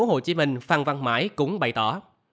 hồ chí minh phan văn mãi cũng bày tỏ